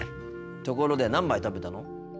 ところで何杯食べたの？